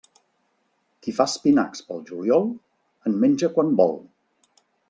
Qui fa espinacs pel juliol, en menja quan vol.